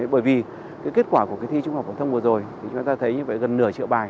bởi vì cái kết quả của cái thi trung học phổ thông vừa rồi thì chúng ta thấy như vậy gần nửa triệu bài